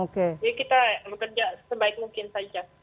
jadi kita bekerja sebaik mungkin saja